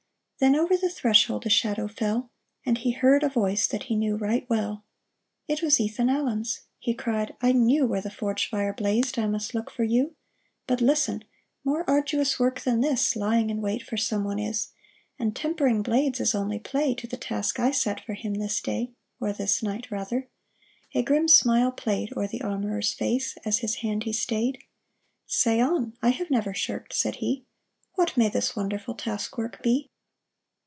Then over the threshold a shadow fell, And he heard a voice that he knew right well. It was Ethan Allen's. He cried :" I knew Where the forge fire blazed I must look for you ! But listen ! more arduous work than this. Lying in wait for someone is ; And tempering blades is only play To the task I set for him this day — Or this night, rather." A grim smile played O'er the armorer's face as his hand he stayed. " Say on. I never have shirked," said he ;" What may this wonderful task work be